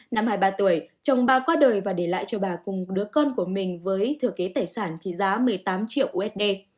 năm hai mươi ba tuổi chồng bà qua đời và để lại cho bà cùng đứa con của mình với thừa kế tài sản trị giá một mươi tám triệu usd